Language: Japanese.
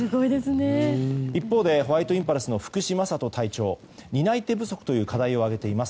一方でホワイトインパルスの福士真人隊長は担い手不足という課題を挙げています。